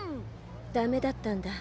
ダメだったんだ？